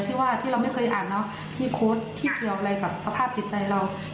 ก็ควรที่จะรับผิดชอบเรื่องลูกถ้าแต่ไม่รับผิดชอบเรื่องเรา